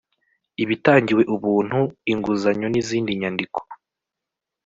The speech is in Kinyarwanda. ibitangiwe ubuntu inguzanyo n izindi nyandiko